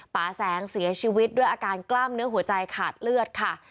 ป่าแสงเสียชีวิตด้วยอาการกล้ามเนื้อหัวใจขาดเลือดค่ะ